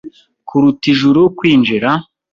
Kuruta ijuru kwinjira